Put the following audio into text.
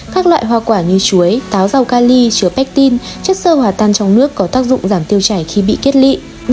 các loại hoa quả như chuối táo rau ca ly chứa pectin chất sơ hòa tan trong nước có tác dụng giảm tiêu chảy khi bị kiết lị